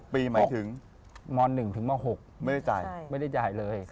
๖ปีหมายถึงม๑ถึงมา๖ไม่ได้จ่ายเลย